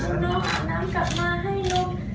ก็ไปดูน้องอาบน้ำเข้ามาให้ลูก